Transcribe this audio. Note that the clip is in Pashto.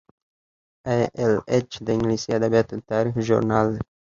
ای ایل ایچ د انګلیسي ادبیاتو د تاریخ ژورنال دی.